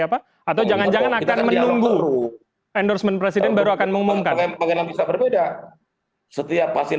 apa atau jangan jangan akan menunggu endorsement presiden baru akan mengumumkan setiap hasil